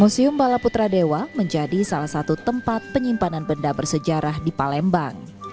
museum bala putra dewa menjadi salah satu tempat penyimpanan benda bersejarah di palembang